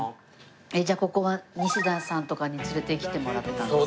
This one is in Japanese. じゃあここは西田さんとかに連れてきてもらったんですか？